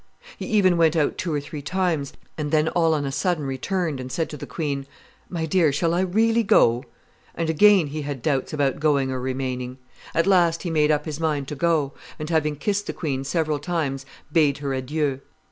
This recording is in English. He even went out two or three times, and then all on a sudden returned, and said to the queen, 'My dear, shall I really go?' and again he had doubts about going or remaining. At last he made up his mind to go, and, having kissed the queen several times, bade her adieu.